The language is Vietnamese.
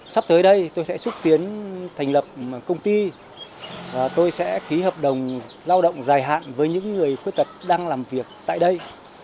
sắp tới đây tôi sẽ xúc tiến thành lập công ty tôi sẽ ký hợp đồng lao động dài hạn với những người khuyết tật đang làm việc tại đây